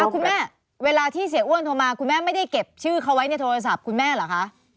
คุณแม่เวลาที่เสียอ้วนโทรมาคุณแม่ไม่ได้เก็บชื่อเขาไว้ในโทรศัพท์คุณแม่เหรอคะ